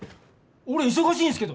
俺忙しいんすけど！